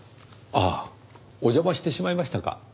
ああお邪魔してしまいましたか？